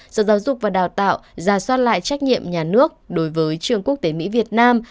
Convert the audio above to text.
sở giáo dục và đào tạo ra soát lại trách nhiệm nhà nước đối với trường quốc tế mỹ việt nam